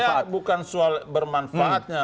artinya bukan soal bermanfaatnya